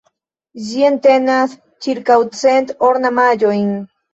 Ĝi entenas ĉirkaŭ cent ornamaĵojn.